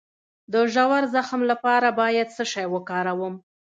د ژور زخم لپاره باید څه شی وکاروم؟